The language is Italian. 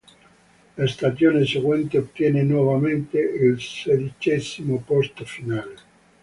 La stagione seguente ottiene nuovamente il sedicesimo posto finale.